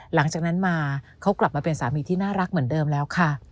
หลังจากนั้นมาเขากลับมาเป็นสามีที่น่ารักเหมือนเดิมแล้วค่ะ